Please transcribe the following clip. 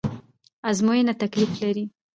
ازموينه تکليف لري